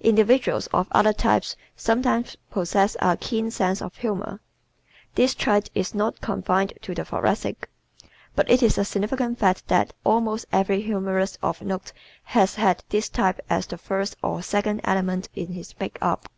Individuals of other types sometimes possess a keen sense of humor. This trait is not confined to the Thoracic. But it is a significant fact that almost every humorist of note has had this type as the first or second element in his makeup.